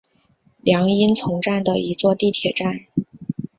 凉荫丛站的一座地铁站。